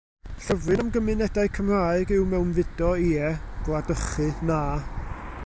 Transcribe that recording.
Llyfryn am gymunedau Cymraeg yw Mewnfudo, Ie; Gwladychu, Na!